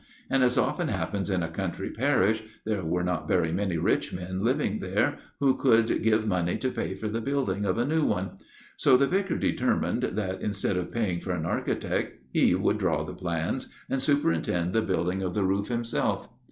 And, as often happens in a country parish, there were not very many rich men living there who could give money to pay for the building of a new one. So the Vicar determined that, instead of paying for an architect, he would draw the plans, and superintend the building of the roof himself.